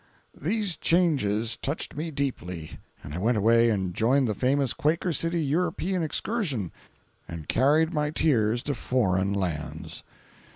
These changes touched me deeply, and I went away and joined the famous Quaker City European Excursion and carried my tears to foreign lands.